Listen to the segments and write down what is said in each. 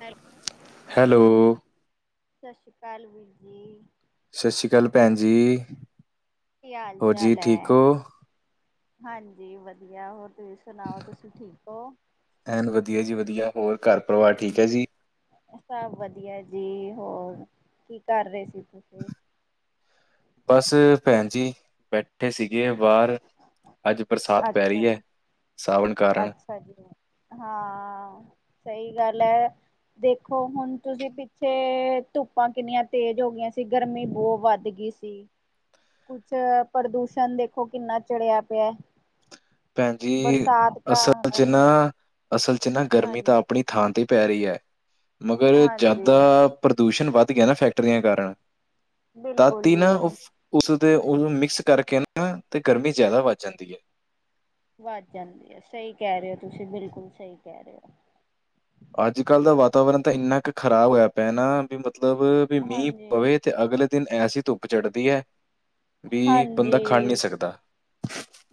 ਹ ਹੈਲੋ ਸਸ ਸ੍ਰੀ ਕਾਲ ਵੀਰ ਜੀ। ਸ਼ਸੀ ਕਾਲ ਭੈਣ ਜੀ, ਕੀ ਹਾਲ ਹੋਰ ਜੀ ਚਾਲ ਹੈ ਠੀਕ ਓ? ਹਾਂਜੀ ਵਧੀਆ, ਹੋਰ ਤੁਸੀਂ ਸੁਨਾਓ ਤੁਸੀਂ ਠੀਕ ਓ? ਐਨ ਵਧੀਆ ਜੀ ਵਧੀਆ, ਹੋਰ ਘਰ ਪਰਿਵਾਰ ਠੀਕ ਐ ਜੀ। ਸਭ ਵਧੀਆ ਜੀ, ਹੋਰ ਕੀ ਕਰ ਰੇ ਸੀ ਤੂਸੀ? ਬਸ ਭੈਣ ਜੀ, ਬੈਠੇ ਸੀਗੇ ਬਾਰ। ਅੱਜ ਬਰਸਾਤ ਪੈ ਅੱਛਾ ਰੀ ਐ, ਜੀ ਸਾਵਣ ਕਾਰਨ, ਅੱਛਾ ਜੀ, ਹਾਂ ਸਈ ਗੱਲ ਐ - ਦੇਖੋ ਹੁਣ ਤੁਸੀਂ ਪਿੱਛੇ ਧੁੱਪਾਂ ਕਿੰਨੀਆਂ ਤੇਜ ਹੋ ਗਈਆਂ ਸੀ, ਗਰਮੀ ਬੋਤ ਵੱਧ ਗਈ। ਕੁਛ ਪ੍ਰਦੂਸ਼ਣ ਦੇਖੋ ਕਿੰਨਾ ਚੜਿਆ ਪੇਆ। ਭੈਣਜੀ ਅਸਲ ਚ ਨਾ ਅਸਲ ਚ ਨਾ ਗਰਮੀ ਹਾਂਜੀ ਤਾਂ ਅਪਣੀ ਥਾਂ ਤੇ ਪੈ ਰਿਐ, ਮਗਰ ਹਾਂਜੀ ਜਾਦਾ ਪ੍ਰਦੂਸ਼ਣ ਵੱਧ ਗਿਆ ਨਾ ਫੈਕਟਰੀਆਂ ਕਾਰਨ ਤਦ ਬਿਲਕੁਲ ਈ ਨਾ ਜੀ ਓ ਉਸਦੇ ਓਹੂੰ ਮਿਕਸ ਕਰਕੇ ਤੇ ਗਰਮੀ ਜਾਦਾ ਵੱਧ ਜਾਂਦੀ ਐ। ਵੱਧ ਜਾਂਦੀ ਆ, ਸਈ ਕੈ ਰੇਓ ਤੁਸੀਂ ਬਿਲਕੁਲ ਸਈ ਕੈ ਰੇਓ। ਅੱਜ-ਕੱਲਦਾ ਵਾਤਾਵਰਨ ਤਾਂ ਇੰਨਾ ਕੁ ਖਰਾਬ ਹੋਇਆ ਪਿਆ ਨਾ ਵੀ ਮਤਲਬ ਵੀ ਮੀਂਹ ਹਾਂਜੀ ਪਵੇ ਤੇ ਅਗਲੇ ਦਿਨ ਐਸੀ ਧੁੱਪ ਚੜ੍ਹਦੀ ਐਵੀ ਬੰਦਾ ਖੜ ਨੀਂ ਸਕਦਾ-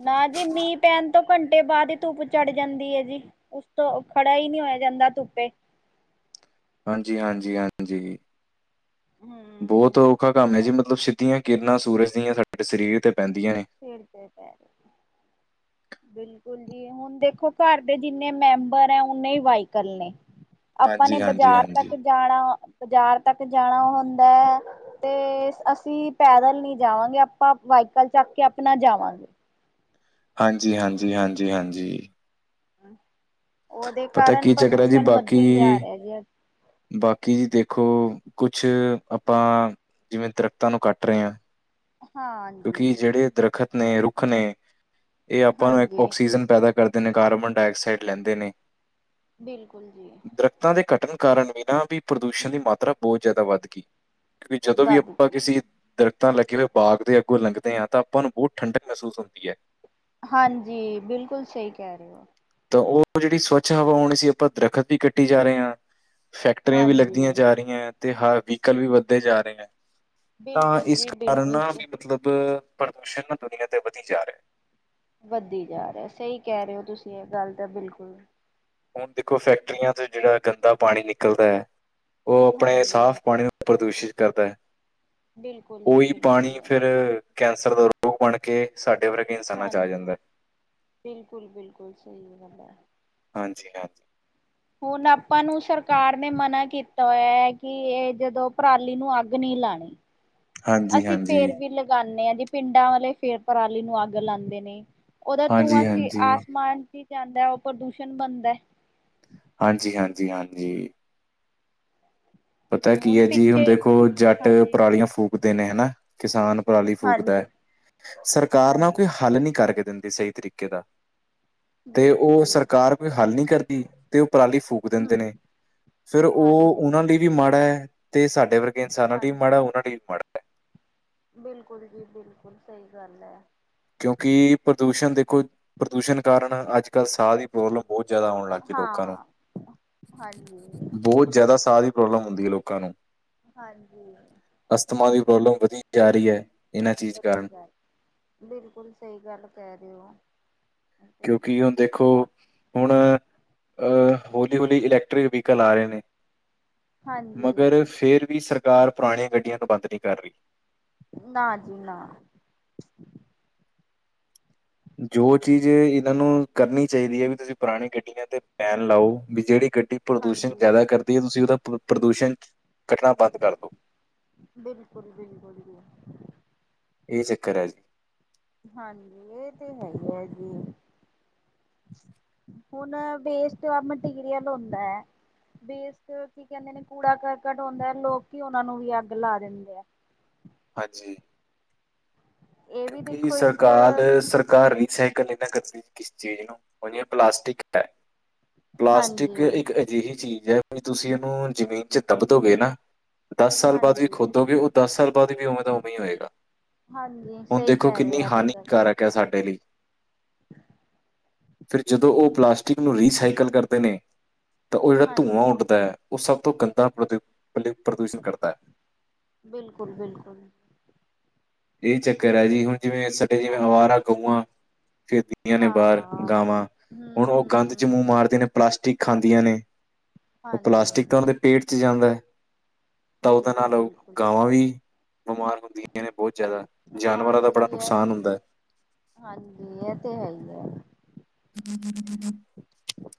ਨਾਜੀ ਮੀਂਹ ਪੈਣ ਤੋਂ ਘੰਟੇ ਬਾਦ ਈ ਧੁੱਪ ਚੜ ਜਾਂਦੀ ਐ ਜੀ। ਓਤੋਂ ਖੜਾ ਈਂ ਨੀਂ ਹੋਯਾ ਜਾਂਦਾ ਤੁੱਪੇ। ਹਾਂਜੀ-ਹਾਂਜੀ-ਹਾਂਜੀ, ਬੋਤ ਹਮ ਔਖਾ ਕੰਮ ਐਜੀ ਮਤਲਬ ਸਿੱਧੀਆਂ ਕਿਰਨਾਂ ਸੂਰਜ ਦੀਆਂ ਸਾਡੇ ਸਰੀਰ ਤੇ ਪੈਂਦੀਆਂ ਨੇ - ਫੇਰ ਤੇ ਹੈ। ਬਿਲਕੁਲ ਜੀ ਹੁਣ ਦੇਖੋ, ਘਰ ਦੇ ਜਿੰਨੇ ਮੈਂਬਰ ਹੈ ਓਨੇ ਈ ਵਾਈਕਲ ਨੇ। ਆਪਾਂ ਨੇ ਹਾਂਜੀ, ਹਾਂਜੀ, ਬਾਜਾਰ ਤੱਕ ਹਾਂਜੀ। ਜਾਣਾ, ਬਾਜਾਰ ਤੱਕ ਜਾਣਾ ਹੁੰਦੈ ਤੇ ਅਸੀ ਪੈਦਲ ਨੀ ਜਾਵਾਂਗੇ ਆਪਾਂ, ਵਾਈਕਲ ਚੱਕ ਕੇ ਅਪਨਾ ਜਾਵਾਂਗੇ। ਹਾਂਜੀ-ਹਾਂਜੀ-ਹਾਂਜੀ-ਹਾਂਜੀ। ਓਦੇ ਪਤਾ ਕਾਰਨ ਕੀ ਚੱਕਰ ਹੈ ਜੀ ਪ੍ਰਦੂਸ਼ਣ ਵੱਧੀ ਜਾ ਬਾਕੀ ਰੇਆ ਜੀ। ਬਾਕੀ ਜੀ ਦੇਖੋ ਕੁਛ, ਆਪਾਂ ਜਿਵੇਂ ਦਰਖਤਾਂ ਨੂੰ ਕੱਟ ਰੇਆਂ - ਹਾਂਜੀ, ਕਿਉਂਕਿ ਜੇੜੇ ਦਰੱਖਤ ਨੇ ਰੁੱਖ ਨੇ ਐ ਆਪਾਂ ਦਾ ਹਾਂਜੀ ਔਕਸੀਜਨ ਪੈਦਾ ਕਰਦੇ ਨੇ, ਕਾਰਬਨ ਡਾਇਆਕਸਾਈਡ ਲੈਂਦੇ ਨੇ। ਬਿਲਕੁਲ ਜੀ। ਦਰਖ਼ਤਾਂ ਦੇ ਕਟਣ ਕਾਰਨ ਬਿਨਾਂ ਵੀ ਪ੍ਰਦੂਸ਼ਣ ਦੀ ਮਾਤਰਾ ਬੋਤ ਜਾਦਾ ਵੱਧਗੀ। ਕਿਉਂਕਿ ਜਦੋਂ ਵੀ ਵੱਧ ਆਪਾਂ ਬਿਲ ਕਿਸੇ ਦਰਖਤਾਂ ਲੱਗੇ ਹੋਏ ਬਾਗ ਦੇ ਅ ਗੋਂ ਲੰਘਗਦੇ ਆਂ ਤੇ ਆਪਾਂ ਨੂੰ ਬੋਤ ਠੰਡਕ ਮਹਿਸੂਸ ਹੁੰਦੀਐ। ਹਾਂਜੀ, ਬਿਲਕੁਲ ਸਈ ਕੈ ਰੇਓ। ਤਾਂ ਓ ਜੇੜੀ ਸਵੱਛ ਹਵਾ ਆਉਣੀ ਸੀ ਹੁਣ, ਅਸੀਂ ਆਪਾਂ ਦਰਖ਼ਤ ਹੀ ਕੱਟੀ ਜਾ ਰੇਆ। ਫੈਕਟਰੀਆਂ ਵੀ ਲੱਗਦੀਆਂ ਹਾਂਜੀ। ਜਾ ਰੀਆਂ ਤੇ ਵਹੀਕਲ ਵੀ ਵੱਧਦੇ ਜਾ ਰਈਆਂ। ਤਾਂ ਬਿਲਕੁਲ ਇਸ ਜੀ ਕਾਰਨ ਬਿਲਕੁਲ। ਵੀ ਮਤਲਬ ਪ੍ਰਦੂਸ਼ਣ ਦੁਨੀਆਂ ਤੇ ਵਧੀ ਜਾ ਰੇਆ। ਵੱਧੀ ਜਾ ਰੇਆ। ਸਈ ਕੈ ਰੇਓ ਤੁਸੀ ਐ ਗੱਲ ਤਾਂ ਬਿਲਕੁਲ। ਹੁਣ ਦੇਖੋ, ਫੈਕਟਰੀਆਂ ਤੇ ਜੇੜਾ ਗੰਦਾ ਪਾਣੀ ਨਿਕਲਦੈ, ਓ ਅਪਨੇ ਹਾਂਜੀ। ਸਾਫ ਪਾਣੀ ਪ੍ਰਦੂਸ਼ਿਤ ਕਰਦੈ, ਬਿਲਕੁਲ ਜੀ ਓਵੀ ਪਾਣੀ ਬਿਲਕੁਲ ਫਿਰ ਕੈਂਸਰ ਦਾ ਓ ਬਨ ਕੇ ਸਾਡੇ ਵਰਗੇ ਇਨਸਾਨਾਂ ਚ ਆ ਜਾਂਦਾ। ਬਿਲਕੁਲ-ਬਿਲਕੁਲ ਸਈ ਗੱਲ ਐ। ਹਾਂਜੀ-ਹਾਂਜੀ। ਹੁਨ ਆਪਾਂ ਨੂੰ ਸਰਕਾਰ ਨੇ ਮਨਾ ਕੀਤਾ ਹੋਏਆ ਕੇ ਏ ਜਦੋਂ ਪਰਾਲੀ ਨੂੰ ਅੱਗ ਨੀ ਲਾਨੀ। ਹਾਂਜੀ, ਅਸੀਂ ਫੇਰ ਹਾਂਜੀ, ਵੀ ਲਗਾਨੇ ਆਂ ਜੀ ਪਿੰਡਾਂ ਵਾਲੇ ਫੇਰ ਪਰਾਲੀ ਨੂੰ ਅੱਗ ਲਾਂਦੇ ਨੇ। ਓਦਾ ਧੂੰਆਂ ਹਾਂਜੀ, ੳਸੀ ਹਾਂਜੀ। ਆਸਮਾਨ ਚ ਈ ਜਾਂਦਾ ਓ ਪ੍ਰਦੂਸ਼ਣ ਬਨਦਾ। ਹਾਂਜੀ-ਹਾਂਜੀ-ਹਾਂਜੀ। ਪਤਾ ਕੀ ਹੁਣ ਐ ਜੀ ਹੁਨ ਪਿੱਛੇ ਦੇਖੋ ਜੱਟ ਹਾਂਜੀ, ਪਰਾਲੀਆਂ ਫੂਕਦੇ ਨੇ ਹਨਾ। ਕਿਸਾਨ ਪਰਾਲੀ ਫੂਕਦਾ ਹਾਂਜੀ, ਐ, ਸਰਕਾਰ ਨਾ ਕੋਈ ਹਾਂਜੀ ਹੱਲ ਨੀ ਕਰਕੇ ਦਿੰਦੀ ਸਈ ਤਰੀਕੇ ਦਾ। ਤੇ ਬਿਲਕੁਲ ਓ ਜੀ। ਸਰਕਾਰ ਕੋਈ ਹੱਲ ਨੀ ਕਰਦੀ ਤੇ ਓ ਪਰਾਲੀ ਫੂਕ ਦਿੰਦੇ ਹੂੰ, ਨੇ। ਫੇਰ ਓ ਹਾਂਜੀ, ਓਨਾਂ ਲਈ ਵੀ ਮਾੜੈ, ਤੇ ਸਾਡੇ ਵਰਗੇ ਇਨਸਾਨਾਂ ਲਈ ਵੀ ਹਾਂਜੀ। ਮਾੜਾ ਓਨਾਂ ਲਈ ਵੀ ਮਾੜਾ। ਬਿਲਕੁਲ ਜੀ ਬਿਲਕੁਲ ਸਈ ਗੱਲ ਐ। ਕਿਓਂਕਿ ਹੁਣ ਪ੍ਰਦੂਸ਼ਨ ਦੇਖੋ, ਪ੍ਰਦੂਸ਼ਨ ਕਾਰਨ ਅੱਜ-ਕੱਲ ਸਾਅ ਦੀ ਪ੍ਰੋਬਲਮ ਬੋ ਜਾਦਾ ਔਨ ਲਾਗੀ ਹਾਂ ਲੋਕਾਂ ਨੂੰ। ਹਾਂਜੀ, ਬੋ ਜਾਦਾ ਸਾਅ ਦੀ ਪ੍ਰੋਬਲਮ ਹੁੰਦੀ ਐ ਲੋਕਾਂ ਨੂੰ। ਹਾਂਜੀ। ਅਸਥਮਾ ਦੀ ਪ੍ਰੋਬਲਮ ਵਦੀ ਜਾ ਰਈ ਐ। [unintelligible] ਬਿਲਕੁਲ ਸਈ ਗੱਲ ਕੈ ਰਏ ਓਂ। ਕਿਓਂਕਿ ਹੁਨ ਦੇਖੋ ਹੁਨ ਅਹ ਹੌਲੀ-ਹੌਲੀ ਇਲੈਕਟ੍ਰਿਕ ਵੀਕਲ ਆ ਰਏ ਨੇ। ਮਗਰ ਹਾਂਜੀ ਫੇਰ ਵੀ ਸਰਕਾਰ ਪੁਰਾਨੀ ਗੱਡੀਆਂ ਨੂੰ ਬੰਦ ਨੀ ਕਰ ਰਈ। ਨਾ ਜੀ ਨਾ। ਜੋ ਚੀਜ਼ ਏਨਾਂ ਨੂੰ ਕਰਨੀ ਚਾਈਦੀ ਐ ਵੀ ਤੁਸੀਂ ਪੁਰਾਨੀ ਗੱਡੀਆਂ ਤੇ ਬੈਨ ਲਾਓ ਵੀ ਜੇੜੀ ਗੱਡੀ ਪ੍ਰਦੂਸ਼ਨ ਹਾਂਜੀ ਜਿਆਦਾ ਕਰਦੀ ਐ ਤੁਸੀਂ ਓਦਾ ਪ੍ਰ ਪ੍ਰਦੂਸ਼ਨ ਕੱਟਨਾ ਬੰਦ ਕਰ ਦਓ। ਬਿਲਕੁਲ-ਬਿਲਕੁਲ ਜੀ। ਏ ਚੱਕਰ ਐ ਜੀ। ਹਾਂਜੀ ਏ ਤੇ ਹੈਈ ਐ ਜੀ। ਹੁਨ ਵੇਸਟ ਆ ਮਟੀਰੀਅਲ ਹੁੰਦੈ ਵੇਸਟ ਕੀ ਕੈਂਦੇ ਨੇ ਕੂੜਾ ਕਰਕਟ ਹੁੰਦਾ ਲੋਕੀ ਓਨਾਂ ਨੂੰ ਵੀ ਅੱਗ ਲਾ ਦਿੰਦੇ ਐ। ਹਾਂਜੀ। ਇਹ ਵੀ ਕਿਓਂਕਿ ਦੇਖੋ ਇੱਕ ਸਰਕਾਰ ਸਰ ਘਰ ਰੀਸਾਈਕਲ ਨੀ ਨਾ ਕਰਦੀ ਕਿਸ ਚੀਜ਼ ਨੂੰ, ਹੁਨ ਜਿਵੇਂ ਪਲਾਸਟਿਕ ਕੀਤਾ। ਹਾਂਜੀ ਪਲਾਸਟਿਕ ਇੱਕ ਅਜਿਹੀ ਚੀਜ਼ ਐ ਵੀ ਤੁਸੀਂ ਏਨੂੰ ਜ਼ਮੀ ਜੇ ਦੱਬਦੋਗੇ ਨਾ ਦਸ ਸਾਲ ਬਾਦ ਵੀ ਹਾਂਜੀ ਖੋਦੋਗੇ ਓ ਦਸ ਸਾਲ ਬਾਦ ਵੀ ਉਵੇਂ ਦਾ ਉਵੇਂ ਈ ਹੋਏਗਾ। ਹਾਂਜੀ। ਹੁਨ ਸਹੀ ਦੇਖੋ ਕਹਿ ਰਹੇ ਕਿੰਨੀ ਹੋ ਇਹ ਤੇ ਗੱਲ ਹਾਨੀਕਾਰਕ ਐ ਸਾਡੇ ਲਈ। ਫਿਰ ਜਦੋਂ ਓ ਪਲਾਸਟਿਕ ਨੂੰ ਰੀਸਾਈਕਲ ਕਰਦੇ ਨੇ ਤਾਂ ਓ ਜੇੜਾ ਧੂੰਆਂ ਹਾਂਜੀ ਉੱਡਦਾ ਐ ਓ ਸਭ ਤੋਂ ਗੰਦਾ ਪ੍ਰ ਪ੍ਰ ਪ੍ਰਦੂਸ਼ਨ ਕਰਦਾ। ਬਿਲਕੁਲ-ਬਿਲਕੁਲ। ਏ ਚੱਕਰ ਐ ਜੀ ਹੁਨ ਜਿਵੇਂ ਸਾਡੇ ਜਿਵੇਂ ਹਾਂਜੀ ਅਵਾਰਾ ਗਊਆਂ ਫਿਰਦੀਆਂ ਨੇ ਬਾਰ ਹਾਂ ਗਾਵਾਂ, ਹਮ ਹੁਨ ਓ ਹਮ ਗੰਦ ਚ ਹਮ ਮੂੰਹ ਮਾਰਦੀਆਂ ਨੇ ਪਲਾਸਟਿਕ ਖਾਂਦੀਆਂ ਨੇ, ਓ ਪਲਾਸਟਿਕ ਤਾਂ ਹਾਂਜੀ ਓਨਾਂ ਦੇ ਪੇਟ ਚ ਜਾਂਦੈ ਤਾਂ ਓਦੇ ਬਿਲਕੁਲ ਨਾਲ ਬਿਲਕੁਲ ਗਾਵਾਂ ਵੀ ਬਮਾਰ ਹੁੰਦੀਆਂ ਨੇ। ਬੋ ਜਾਦਾ ਜਾਨਵਰਾਂ ਦਾ ਹਾਂਜੀ ਬੜਾ ਇਹ ਨੁਕਸਾਨ ਹੁੰਦੈ। ਹਾਂਜੀ, ਐ ਤੇ ਹੈ ਈ ਐ।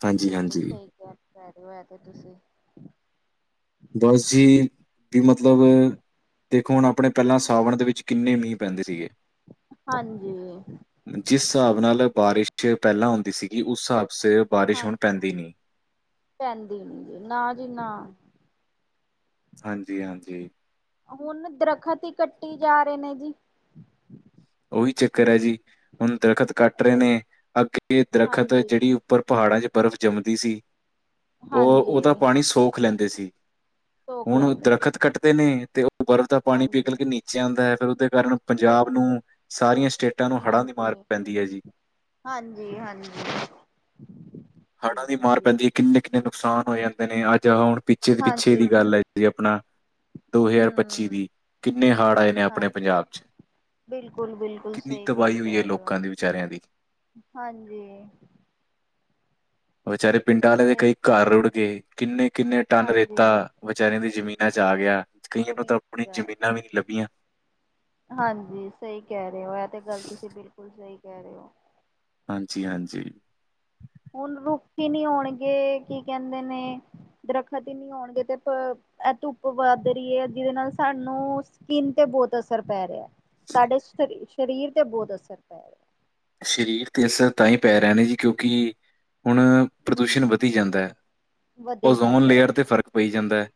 ਹਾਂਜੀ, ਬਿਲਕੁਲ ਹਾਂਜੀ। ਸਹੀ [unintelligible] ਤੇ ਤੁਸੀ ਬਸ ਜੀ ਬੀ ਮਤਲਬ ਦੇਖੋ ਹੁਣ ਆਪਣੇ ਪੇਲਾਂ ਸਾਵਣ ਦੇ ਵਿੱਚ ਕਿੰਨੇ ਮੀਂ ਪੈਂਦੇ ਸੀਗੇ। ਹਾਂਜੀ। ਜਿਸ ਸਾਬ ਨਾਲ ਬਾਰਿਸ਼ ਪੈਲਾਂ ਆਉਂਦੀ ਸੀਗੀ। ਉਸ ਸਾਬ ਸਿਰ ਬਾਰਿਸ਼ ਹਾਂਜੀ ਹੁਣ ਪੈਂਦੀ ਨੀ। ਪੈਂਦੀ ਨੀ ਜੀ ਨਾ ਜੀ ਨਾ। ਹਾਂਜੀ-ਹਾਂਜੀ। ਹੁਣ ਦਰਖਤ ਈ ਕੱਟੀ ਜਾ ਰੇ ਨੇ ਜੀ [inaudible] ਓਈ ਚੱਕਰ ਐ ਜੀ ਹੁਣ ਦਰੱਖਤ ਕੱਟ ਰੇ ਨੇ। ਅੱਗੇ ਦਰਖਤ ਹਾਂਜੀ, ਜੇੜੀ ਪਰ ਪਾੜਾਂ ਚ ਬਰਫ਼ ਜੰਮਦੀ ਸੀ। ਓ ਹਾਂਜੀ ਓਦਾ ਪਾਣੀ ਸੋਖ ਲੈਂਦੇ ਸੀ। ਸੋਖ ਹੁਣ ਓ ਲੈਂਦੇ ਸੀ ਦਰੱਖਤ ਕੱਟਦੇ ਨੇ ਤੇ ਓ ਬਰਫ਼ ਦਾ ਪਾਣੀ ਪਿਘਲ ਹਾਂਜੀ। ਕੇ ਨੀਚੇ ਆਂਦਾ ਐ। ਫਿਰ ਓਦੇ ਕਾਰਨ ਪੰਜਾਬ ਬਿਲਕੁਲ ਨੂੰ ਸਾਰੀਆਂ ਸਟੇਟਾਂ ਨੂੰ ਹੜ੍ਹਾਂ ਦੀ ਮਾਰ ਪੈਂਦੀ ਐ ਜੀ ਹਾਂਜੀ-ਹਾਂਜੀ। ਹੜਾਂ ਦੀ ਮਾਰ ਪੈਂਦੀ ਕਿੰਨੇ-ਕਿੰਨੇ ਨੁਕਸਾਨ ਹੋ ਜਾਂਦੇ ਨੇ। ਅੱਜ ਹੁਣ ਪਿੱਛੇ-ਪਿੱਛੇ ਹਾਂਜੀ ਦੀ ਗੱਲ ਐ ਜੇ ਆਪਣਾ ਦੋ ਹਜ਼ਾਰ ਪੱਚੀ ਹੂੰ ਦੀ ਕਿੰਨੇ ਹਾੜ ਆਏ ਨੇ ਹਾਂ। ਅਪਣੇ ਪੰਜਾਬ ਚ। ਬਿਲਕੁਲ, ਬਿਲਕੁਲ ਕਿੰਨੀ ਸਹੀ ਗੱਲ ਤਬਾਹੀ ਹੋਈ ਐ ਕਹਿ ਰਹੇ ਹੋ ਲੋਕਾਂ ਦੇ ਵਿਚਾਰੇਆਂ ਦੀ ਹਾਂਜੀ। ਵਿਚਾਰੇ ਪਿੰਡਾਂ ਆਲੇ ਦੇ ਇਹ ਕਈ ਘਰ ਰੁੜ ਗਏ। ਕਿੰਨੇ-ਕਿੰਨੇ ਟਨ ਰੇਤਾ ਹਾਂਜੀ ਵਿਚਾਰੇਆਂ ਦੀ ਜਮੀਨਾਂ ਤੇ ਆ ਗੇਆ। ਕਈਆਂ ਨੂੰ ਜ਼ਮੀਨ ਤਾਂ ਅਪਣੀ ਜਾ ਜਮੀਨਾਂ ਵੀ ਨੀ ਲੱਭੀਆਂ। ਹਾਂਜੀ ਸਈ ਕੈ ਰੇ ਓ। ਐ ਤੇ ਗੱਲ ਤੁਸੀ ਬਿਲਕੁਲ ਸਈ ਕੈ ਰੇ ਓ। ਹਾਂਜੀ-ਹਾਂਜੀ। ਹੁਣ ਰੁੱਖ ਈ ਨੀ ਹੋਣਗੇ। ਕੀ ਕੈਂਦੇ ਨੇ ਦਰਖਤ ਈ ਨੀ ਹੋਣਗੇ ਤੇ ਐ ਧੁੱਪ ਵੱਧ ਰੀ ਐ। ਜਿਦੇ ਨਾਲ ਸਾਨੂੰ ਸਕਿੰਨ ਤੇ ਬੋਤ ਅਸਰ ਪੈ ਰੇਐ। ਸਾਡੇ ਸਰੀਰ ਤੇ ਬੋਤ ਅਸਰ ਪੈ ਰੇਐ। ਸ਼ਰੀਰ ਤੇ ਅਸਰ ਤਾਂ ਈ ਪੈ ਰੇਆ ਨਾ ਜੀ ਕਿਉਂਕਿ ਹੁਣ ਹਮ ਪ੍ਰਦੂਸ਼ਣ ਵਧੀ ਜਾਂਦਾ ਐ। ਵਧੀ ਓਜ਼ੋਨ ਜਾਂਦਾ ਲੇਅਰ ਜੀ ਤੇ ਫ਼ਰਕ ਪਈ ਜਾਂਦੈ।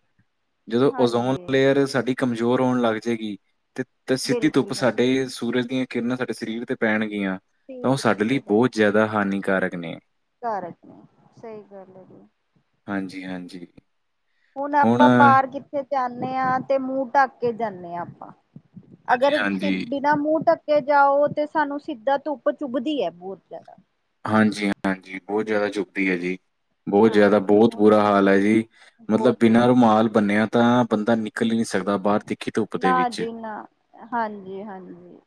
ਜਦੋਂ ਓਜ਼ੋਨ ਹਾਂਜੀ ਲੇਅਰ ਸਾਡੀ ਕਮਜ਼ੋਰ ਹੋਣ ਲੱਗ ਜਾਏਗੀ ਤੇ ਤੇ ਸਿੱਧੀ ਧੁੱਪ ਬਿਲਕੁਲ ਬਿਲਕੁਲ ਸਾਡੇ ਸੂਰਜ ਦੀਆਂ ਕਿਰਨਾਂ ਸਾਡੇ ਸਰੀਰ ਤੇ ਪੈਣਗੀਆਂ। ਤਾਂ ਓ ਠੀਕ ਸਾਡੇ ਲਈ ਕਿਤੇ ਭੈਣ ਬੋਤ ਜਾਦਾ ਹਾਨੀਕਾਰਕ ਨੇ। ਘਰ ਰੱਖਣੇ ਸਹੀ ਗੱਲ ਹੈ ਜੀ। ਹਾਂਜੀ-ਹਾਂਜੀ। ਹੁਨ ਆਪਾਂ ਬਾਰ ਕਿੱਥੇ ਜਾਂਨੇ ਆ ਤੇ ਮੂੰਹ ਢੱਕ ਕੇ ਜਾਂਨੇ ਆ ਆਪਾਂ ਅਗਰ ਹਾਂਜੀ ਸਿਧੀ ਨਾ ਮੂੰ ਢੱਕਕੇ ਜਾਓ। ਤੇ ਸਾਨੂੰ ਸਿੱਧਾ ਧੁੱਪ ਚੁੱਭਦੀ ਐ ਬੋਤ ਜਾਦਾ। ਹਾਂਜੀ-ਹਾਂਜੀ ਬੋਤ ਜਾਦਾ ਚੁੱਭਦੀ ਐ ਜੀ। ਬੋਤ ਜਾਦਾ ਹਾਂ ਬੋਤ ਹੁਣ ਬੁਰਾ ਹਾਲ ਐ ਜੀ ਮਤਲਬ ਬਹੁਤ ਬਿਨਾਂ ਬੁਰਾ ਹਾਲ ਹੈ। ਰੁਮਾਲ ਬੰਨੇਆ ਤਾਂ ਬੰਦਾ ਨਿਕਲ ਈ ਨੀ ਸਕਦਾ। ਬਾਹਰ ਤਿੱਖੀ ਧੁੱਪ ਦੇ ਨਾ ਵਿੱਚ ਜੀ ਨਾ ਹਾਂਜੀ-ਹਾਂਜੀ।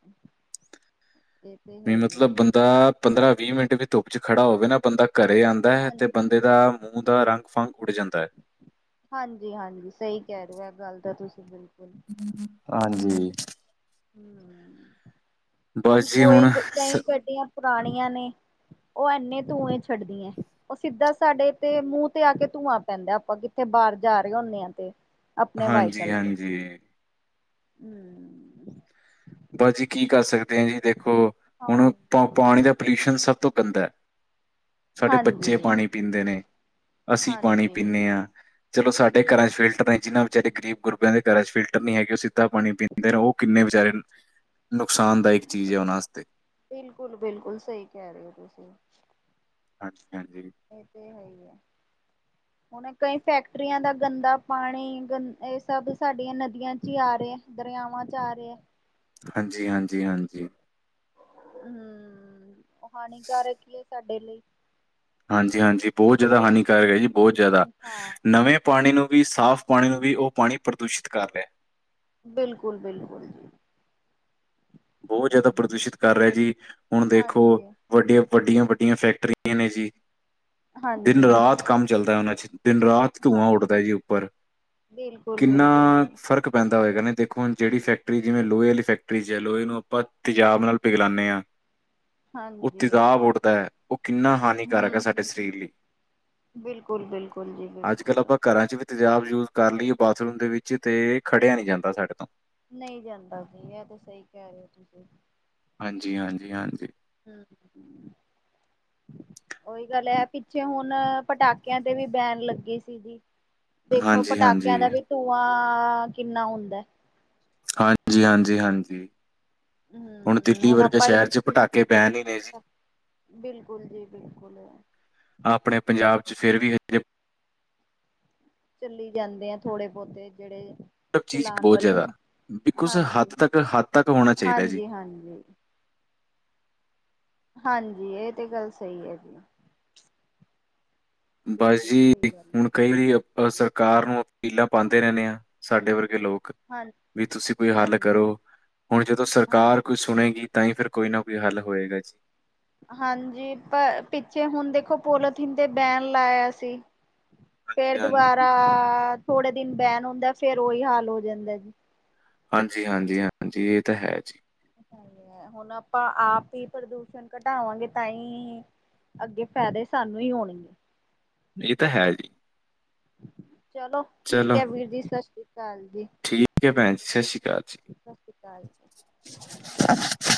ਵੀ ਮਤਲਬ ਬੰਦਾ ਪੰਦਰਾਂ ਵੀ ਮਿੰਟ ਵੀ ਧੁੱਪ ਚ ਖੜਾ ਹੋਵੇ ਨਾ ਬੰਦਾ ਘਰੇ ਆਂਦਾ ਐ ਤੇ ਹਾਂਜੀ ਬੰਦੇ ਦਾ ਮੂੰਹ ਦਾ ਰੰਗ-ਫੰਗ ਉੱਡ ਜਾਂਦਾ ਐ। ਹਾਂਜੀ-ਹਾਂਜੀ ਸਈ ਕੈ ਰੇਓ ਐ ਗੱਲ ਤਾਂ ਤੁਸੀ ਬਿਲਕੁਲ। ਹਾਂਜੀ। ਹੁਣ ਬਸ ਜੀ ਕੋਈ ਸ ਕਈ ਗੱਡੀਆਂ ਪੁਰਾਣੀਆਂ ਨੇ ਓ ਐਨੇ ਧੂੰਏ ਛੱਡਦੀਆਂ। ਓ ਸਿੱਧਾ ਸਾਡੇ ਤੇ ਮੂੰਹ ਤੇ ਆ ਕੇ ਧੂੰਆਂ ਪੈਂਦਾ। ਆਪਾਂ ਕਿੱਥੇ ਬਾਰ ਜਾ ਰੇ ਹੁਣੇ ਆਂ ਤੇ ਆਪਣੇ ਵਾਈਕਲ ਤੇ, ਹਾਂਜੀ-ਹਾਂਜੀ। ਹੂੰ- ਬਸ ਜੀ ਕੀ ਕਰ ਸਕਦੇ ਆ ਜੀ ਦੇਖੋ। ਹੁਣ ਪ ਹਾਂ ਪਾਣੀ ਦਾ ਪੋਲਿਊਸ਼ਨ ਸਭ ਤੋਂ ਗੰਦਾ। ਸਾਡੇ ਹਾਂਜੀ ਬੱਚੇ ਪਾਣੀ ਪੀਂਦੇ ਨੇ ਅਸੀਂ ਪਾਣੀ ਹਾਂਜੀ ਪੀਂਨੇ ਆ। ਚਲੋ ਸਾਡੇ ਘਰਾਂ ਚ ਫਿਲਟਰ ਨੇ ਜਿੰਨਾ ਵਿਚਾਰੇ ਗਰੀਬ ਗੁਰੀਬਾ ਦੇ ਘਰਾਂ ਚ ਫਿਲਟਰ ਨਹੀ ਹੈਗੇ ਉਸੀ ਗੰਦਾ ਪਾਣੀ ਪੀਂਦੇ ਰੋ। ਕਿੰਨੇ ਵਿਚਾਰੇ ਨੁਕਸਾਨਦਾਇਕ ਚੀਜ਼ ਏ ਓਨਾਂ ਆਸਤੇ। ਬਿਲਕੁਲ-ਬਿਲਕੁਲ ਸਈ ਕੈ ਰੇ ਓ ਤੁਸੀਂ ਹਾਂਜੀ-ਹਾਂਜੀ। ਏ ਤੇ ਹੈ ਈ ਐ। ਹੁਣ ਕਈ ਫੈਕਟਰੀਆਂ ਦਾ ਗੰਦਾ ਪਾਣੀ ਗੰ ਏ ਸਭ ਸਾਡੀਆਂ ਨਦੀਆਂ ਚ ਈ ਆ ਰੇਆ। ਦਰਆਵਾਂ ਚ ਆ ਰੇਆ। ਹਾਂਜੀ-ਹਾਂਜੀ-ਹਾਂਜੀ। ਹੂੰ ਓ ਹਾਨੀਕਾਰਕ ਈ ਸਾਡੇ ਲਈ। ਹਾਂਜੀ-ਹਾਂਜੀ ਬੋਤ ਜਾਦਾ ਹਾਨੀਕਾਰਕ ਏ ਜੀ ਬੋਤ ਜਾਦਾ, ਹਾਂ ਨਵੇਂ ਪਾਨੀ ਨੂੰ ਵੀ ਸਾਫ਼ ਪਾਨੀ ਨੂੰ ਵੀ ਓ ਪਾਨੀ ਪ੍ਰਦੂਸ਼ਿਤ ਕਰ ਰੇਆ। ਬਿਲਕੁਲ-ਬਿਲਕੁਲ ਜੀ। ਬੋਤ ਜਾਦਾ ਪ੍ਰਦੂਸ਼ਿਤ ਕਰ ਰੇਆ ਜੀ, ਹੁਣ ਦੇਖੋ ਹਾਂਜੀ ਵੱਡੀਆਂ-ਵੱਡੀਆਂ-ਵੱਡੀਆਂ ਫੈਕਟਰੀਆਂ ਨੇ ਜੀ। ਹਾਂਜੀ ਦਿਨ-ਰਾਤ ਕੰਮ ਚੱਲਦਾ ਓਨਾਂ ਚ ਦਿਨ-ਰਾਤ ਧੂੰਆਂ ਹਾਂਜੀ ਉੱਠਦਾ ਜੀ ਉੱਪਰ। ਬਿਲਕੁਲ ਕਿੰਨਾ ਬਿਲਕੁਲ ਜੀ ਫ਼ਰਕ ਪੈਂਦਾ ਹੋਏਗਾ ਨਾ। ਦੇਖੋ ਹੁਣ ਜੇੜੀ ਫੈਕਟਰੀ ਜਿਵੇਂ ਲੋਏ ਆਲੀ ਫੈਕਟਰੀਜ਼ ਲੋਏ ਨੂੰ ਆਪਾਂ ਤੇਜਾਬ ਨਾਲ ਪਿਘਲਾਨੇ ਆ। ਓ ਹਾਂਜੀ ਤੇਜ਼ਾਬ ਉੱਡਦਾ ਓ‌ ਕਿੰਨਾ ਹਾਨੀਕਾਰਕ ਐ ਸਾਡੇ ਸਰੀਰ ਲਈ। ਬਿਲਕੁਲ-ਬਿਲਕੁਲ ਜੀ ਅੱਜ-ਕੱਲ੍ਹ ਬਿਲਕੁਲ। ਆਪਾਂ ਘਰਾਂ 'ਚ ਵੀ ਤੇਜ਼ਾਬ ਯੂਜ ਕਰ ਲਈਏ ਬਾਥਰੂਮ ਦੇ ਵਿੱਚ ਤੇ ਖੜੇਆ ਨੀ ਜਾਂਦਾ ਸਾਡੇ ਤੋਂ ਨਈ ਜਾਂਦਾ ਜੀ ਐ ਤੇ ਸਈ ਕੈ ਰੇ ਓ ਤੁਸੀਂ। ਹਾਂਜੀ-ਹਾਂਜੀ-ਹਾਂਜੀ। ਹੂੰ-ਹੂੰ ਓਈ ਗੱਲ ਐ ਪਿੱਛੇ ਹੁਣ ਮੈ ਪਟਾਕੇਆਂ ਤੇ ਵੀ ਬੈਣ ਲੱਗੀ ਸੀਗੀ, ਦੇਖੋ ਹਾਂਜੀ, ਪਟਾਕਿਆਂ ਦਾ ਹਾਂਜੀ, ਵੀ ਧੂੰਆਂ ਆਂ ਆਂ ਕਿੰਨਾ ਹੁੰਦਾ। ਹਾਂਜੀ-ਹਾਂਜੀ-ਹਾਂਜੀ। ਹੁਣ ਹਮ ਦਿੱਲੀ ਵਰਗੇ ਸ਼ ਆਪਾਂ ਸੈ਼ਰ ਚ ਪਟਾਕੇ ਬੈਣ ਈ ਰਏ ਸੀ। ਬਿਲਕੁਲ ਜੀ ਬਿਲਕੁਲ। ਆਪਣੇ ਪੰਜਾਬ ਚ ਫੇਰ ਵੀ ਐਥੇ ਚੱਲੀ ਜਾਂਦੇ ਆ ਥੋੜੇ-ਬੋਤੇ ਜੇੜੇ ਮਤਲਬ ਚੀਜ਼ ਚਲਾਣ ਬਹੁਤ ਵਾਲੇ ਜ਼ਿਆਦਾ ਬਿਲਕੁਲ ਸਰ ਹਾਂਜੀ, ਹੱਦ ਤੱਕ ਹੱਦ ਤੱਕ ਹੋਣਾ ਚਾਹੀਦਾ ਜੀ। ਹਾਂਜੀ-ਹਾਂਜੀ। ਹਾਂਜੀ, ਏ ਤੇ ਗੱਲ ਸਈ ਐ ਜੀ। ਬਸ ਬਿਲਕੁਲ ਜੀ ਸਹੀ ਤੇ ਗੱਲ ਹੁਣ ਹੈ ਕਈ ਓ ਬਸ ਸਰਕਾਰ ਨੂੰ ਅਪੀਲਾਂ ਪਾਂਦੇ ਰੈਨੇ ਆਾਂ ਸਾਡੇ ਵਰਗੇ ਲੋਕ ਹਾਂ ਵੀ ਤੁਸੀਂ ਕੋਈ ਹੱਲ ਹਾਂਜੀ ਕਰੋ। ਹੁਣ ਜਦੋਂ ਸਰਕਾਰ ਹਾਂਜੀ ਕੋਈ ਸੁਣੇਗੀ ਤਾਂਈ ਫੇਿਰ ਕੋਈ ਨਾ ਕੋਈ ਹੱਲ ਹੋਏਗਾ ਜੀ। ਹਾਂਜੀ ਪ ਪਿੱਛੇ ਹੁਣ ਦੇਖੋ ਪੋਲੋਥੀਨ ਤੇ ਬੈਨ ਲਾਯਾ ਸੀ ਫੇਰ ਹਾਂਜੀ, ਹਾਂਜੀ, ਦੁਬਾਰਾ ਥੋੜੇ ਦਿਨ ਬੈਨ ਹੁੰਦਾ ਫਿਰ ਉਹੀ ਹਾਲ ਹੋ ਜਾਂਦਾ ਜੀ ਹਾਂਜੀ - ਹਾਂਜੀ- ਹਾਂਜੀ, ਇਹ ਤੇ ਹੈ ਜੀ ਹੈਗੇ ਐ, ਹੁਣ ਆਪਾਂ ਆਪ ਈ ਪ੍ਰਦੂਸ਼ਣ ਘਟਾਵਾਂਗੇ ਤਾਂਈ। ਅੱਗੇ ਫੈਦੇ ਸਾਨੂੰ ਈ ਹੋਣਗੇ। ਏ ਤਾਂ ਹੈ ਜੀ। ਚਲੋ, ਠੀਕ ਚਲੋ ਐ ਵੀਰ ਜੀ, ਸਸ਼੍ਰੀ ਅਕਾਲ ਜੀ। ਠੀਕ ਐ, ਭੈਣ ਜੀ ਸਸ੍ਰੀ ਅਕਾਲ ਸਤਿ ਸ਼੍ਰੀ ਅਕਾਲ। ਜੀ।